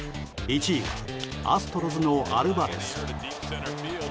１位はアストロズのアルバレス。